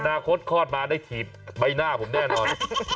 อนาคตคลอดมาได้ถีบใบหน้าผมแน่นอน